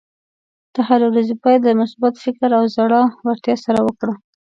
د هرې ورځې پیل د مثبت فکر او زړۀ ورتیا سره وکړه.